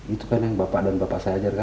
itu kan yang bapak dan bapak saya ajarkan